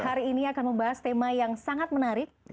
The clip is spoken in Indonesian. hari ini akan membahas tema yang sangat menarik